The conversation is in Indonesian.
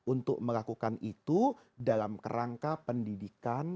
untuk melakukan itu dalam kerangka pendidikan